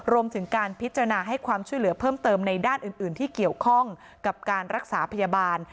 รวมถึงการพิจารณาให้ความช่วยเหลือเพิ่มเติมในด้านอื่นที่เกี่ยวข้องกับการรักษาพยาบาล